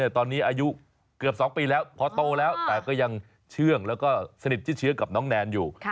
ตอนนี้อายุเกือบ๒ปีแล้วพอโตแล้วแต่ก็ยังเชื่องแล้วก็สนิทชิดเชื้อกับน้องแนนอยู่